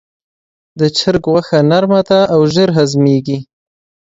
د چرګ غوښه نرم او ژر هضمېږي.